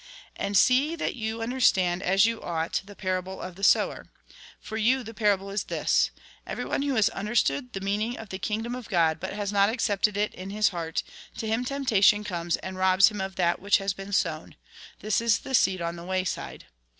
And see that you understand as you ought the parable of the sower. For you the parable is this : Everyone who has understood the meaning of the kingdom of God, but has not accepted it in his heart, to him temptation comes and robs him of that which has been sown : this is the seed on the wayside.